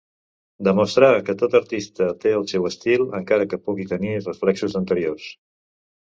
Demostrar que tot artista té el seu estil, encara que pugui tenir reflexos d'anteriors.